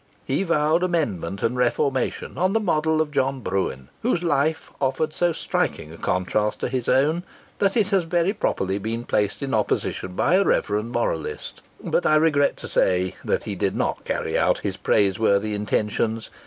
He vowed amendment and reformation on the model of John Bruen, whose life offered so striking a contrast to his own, that it has very properly been placed in opposition by a reverend moralist; but I regret to say that he did not carry out his praiseworthy intentions.